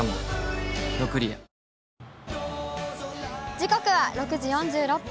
時刻は６時４６分。